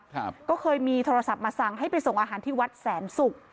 ครับก็เคยมีโทรศัพท์มาสั่งให้ไปส่งอาหารที่วัดแสนศุกร์